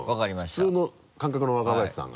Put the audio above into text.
普通の感覚の若林さんが。